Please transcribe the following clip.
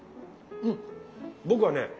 僕はね